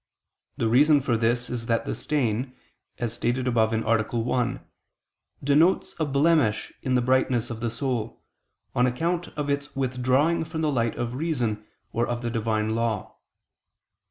The reason for this is that the stain, as stated above (A. 1), denotes a blemish in the brightness of the soul, on account of its withdrawing from the light of reason or of the Divine law.